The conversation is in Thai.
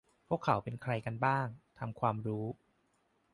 พวกเขาเป็นใครกันบ้าง ทำความรู้